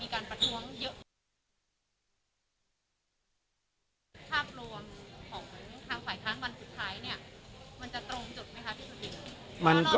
การการอภิปรายแล้วก็มีการประท้วงเยอะ